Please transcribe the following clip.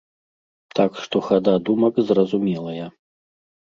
Так што хада думак зразумелая.